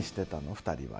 ２人は今。